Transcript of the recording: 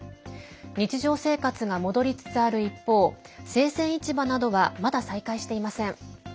日常生活が戻りつつある一方生鮮市場などはまだ再開していません。